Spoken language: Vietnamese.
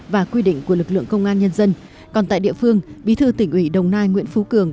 và quy định của lực lượng công an nhân dân còn tại địa phương bí thư tỉnh ủy đồng nai nguyễn phú cường